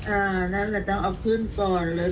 นั่นแหละต้องเอาขึ้นก่อนเลย